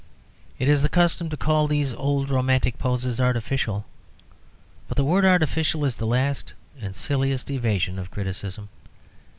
It is the custom to call these old romantic poses artificial; but the word artificial is the last and silliest evasion of criticism.